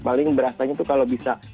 paling berasanya tuh kalau bisa